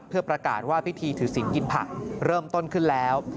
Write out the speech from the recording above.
เพื่อประกาศว่าพิธีถือศิลปกินผักเริ่มต้นขึ้นแล้ว